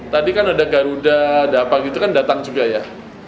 tadi kan ada garuda ada apa gitu kan datang juga ya